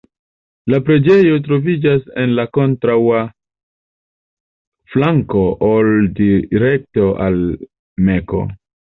La enirejo troviĝas en la kontraŭa flanko ol direkto al Mekko.